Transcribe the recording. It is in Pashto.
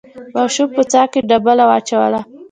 ماشوم په څاه کې ډبله واچوله.